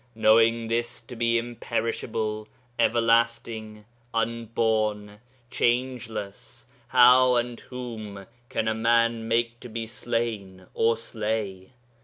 Knowing This to be imperishable, everlasting, unborn, changeless, how and whom can a man make to be slain or slay?